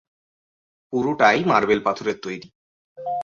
পুরোটাই মার্বেল পাথরের তৈরি।